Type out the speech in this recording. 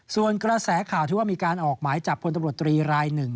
ส่วนกระแสข่าวที่ว่ามีการออกหมายจับพลตำรวจตรีรายหนึ่ง